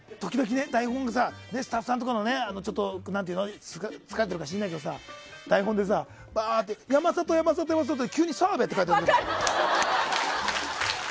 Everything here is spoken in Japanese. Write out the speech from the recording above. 台本がスタッフさんとか使っているのか知らないけどさ台本で、バーッて山里、山里、山里急に澤部って書いてあるの。